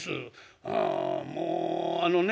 ああもうあのね